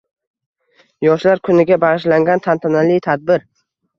Yoshlar kuniga bagʻishlangan tantanali tadbir